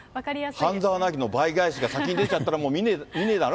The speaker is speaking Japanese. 半沢直樹の倍返しが先に出ちゃったら、もう、見ねぇだろ？